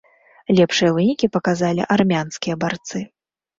Лепшыя вынікі паказалі армянскія барцы.